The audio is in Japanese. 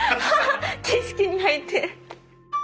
景色に入って。